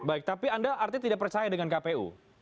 baik tapi anda artinya tidak percaya dengan kpu